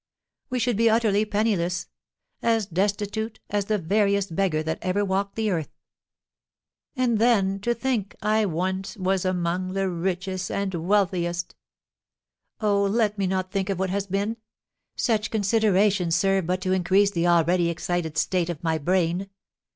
We should be utterly penniless; as destitute as the veriest beggar that ever walked the earth. "And then to think I once was among the richest and wealthiest! Oh, let me not think of what has been; such considerations serve but to increase the already excited state of my brain.